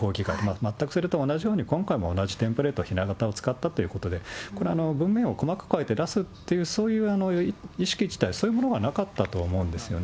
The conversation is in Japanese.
全くそれと同じように今回も同じテンプレート、ひな形を使ったということで、これ、文面をあえて細かく変えて出すっていう意識自体、そういうものがなかったと思うんですよね。